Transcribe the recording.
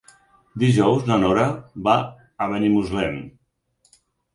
Dijous na Nora va a Benimuslem.